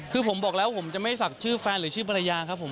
คือผมบอกแล้วผมจะไม่ศักดิ์ชื่อแฟนหรือชื่อภรรยาครับผม